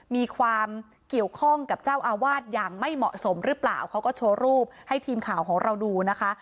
มีความเกี่ยวข้องกับเจ้าอาวาสอย่างไม่เหมาะสมหรือเปล่าเขาก็โชว์รูปให้ทีมข่าวของเราดูนะคะ